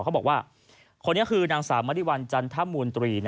เขาบอกว่าคนนี้คือนางสาวมริวัลจันทมูลตรี